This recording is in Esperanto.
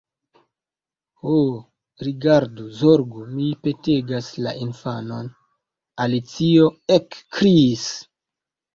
"Ho, rigardu, zorgu, mi petegas la infanon!" Alicio ekkriis.